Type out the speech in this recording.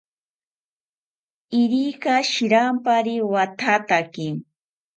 Irika shirampari wathataki